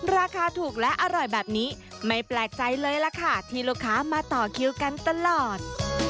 ราคาถูกและอร่อยแบบนี้ไม่แปลกใจเลยล่ะค่ะที่ลูกค้ามาต่อคิวกันตลอด